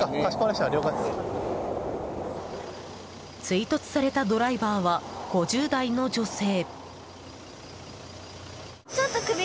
追突されたドライバーは５０代の女性。